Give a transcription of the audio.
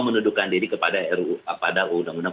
menuduhkan diri kepada undang undang